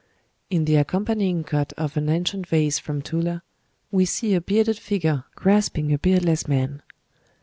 In the accompanying cut of an ancient vase from Tula, we see a bearded figure grasping a beardless man.